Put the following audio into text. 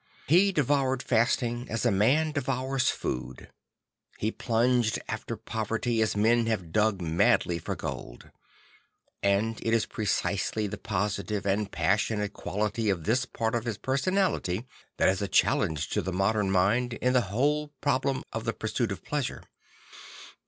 He devoured fasting as a man devours food. He plunged after poverty as men have dug madly for gold. And it is precisely the positive and passion ate quality of this part of his personality that is a challenge to the modem mind in the whole prob lem of the pursuit of pleasure.